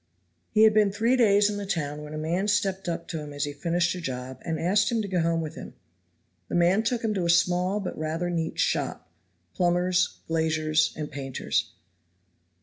He had been three days in the town when a man stepped up to him as he finished a job and asked him to go home with him. The man took him to a small but rather neat shop, plumber's, glazier's and painter's.